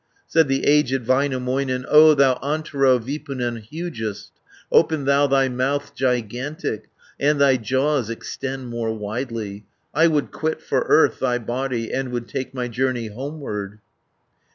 580 Said the aged Väinämöinen, "O thou Antero Vipunen hugest, Open thou thy mouth gigantic, And thy jaws extend more widely. I would quit for earth thy body, And would take my journey homeward."